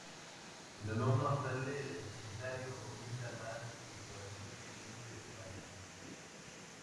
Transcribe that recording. El alumno sale del sanitario, vomita más ecuaciones y se desmaya.